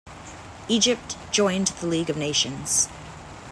Egypt joined the League of Nations.